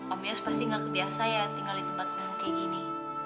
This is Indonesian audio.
om yus pasti gak kebiasa ya tinggal di tempat kamu kayak gini